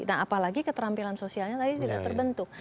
nah apalagi keterampilan sosialnya tadi tidak terbentuk